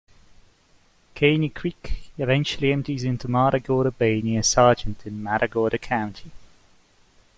Caney Creek eventually empties into Matagorda Bay near Sargent in Matagorda County.